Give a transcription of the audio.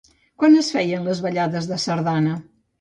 Quan es feien les ballades de sardana?